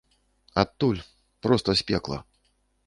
Адтуль, проста з пекла.